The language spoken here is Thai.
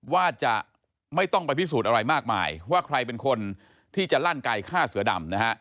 ว่าจะไม่ต้องไปพิสูจน์อะไรมากมายว่าใครเป็นคนที่จะลั่นไก่ฆ่าเสือดำนะฮะ